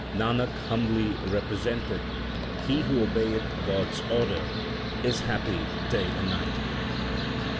Nanak humbly represent eth he who obeyeth God s order is happy day and night.